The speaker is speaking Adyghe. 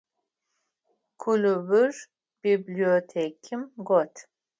Клубыр библиотэкэм гот.